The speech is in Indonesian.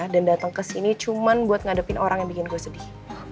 dan dateng kesini cuma buat ngadepin orang yang bikin gue sedih